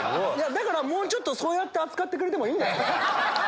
もうちょっとそうやって扱ってくれてもいいんですよ？